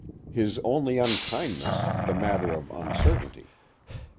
His only unkindness the matter of uncertainty.